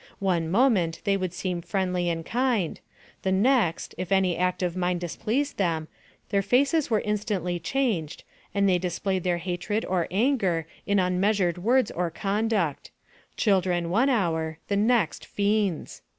One moment, they would seem friendly and kind ; the next, if any act of mine dis pleased them, their faces were instantly changed, and they displayed their hatred or anger in unmeasured words or conduct children one hour, the next, fiends.